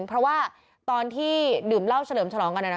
เพราะว่าตอนที่ดื่มเหล้าเฉลิมฉลองกัน